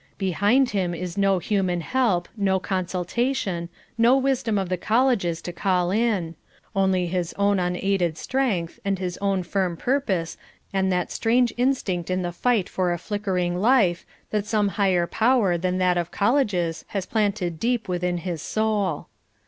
Behind him is no human help, no consultation, no wisdom of the colleges to call in; only his own unaided strength, and his own firm purpose and that strange instinct in the fight for a flickering life, that some higher power than that of colleges has planted deep within his soul.